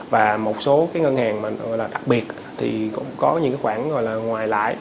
và một số cái ngân hàng đặc biệt thì cũng có những khoản gọi là ngoài lãi